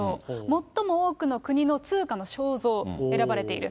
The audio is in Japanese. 最も多くの国の通貨の肖像、選ばれている。